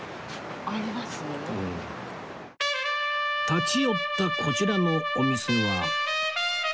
立ち寄ったこちらのお店は